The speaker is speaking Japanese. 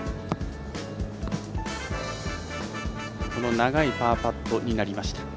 長いパーパットになりました。